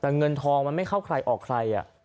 แต่เงินทองมันไม่เข้าใครออกใคร